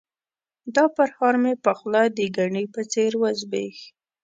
دا پرهار مې په خوله د ګني په څېر وزبیښ.